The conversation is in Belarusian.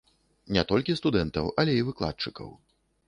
Не толькі студэнтаў, але і выкладчыкаў.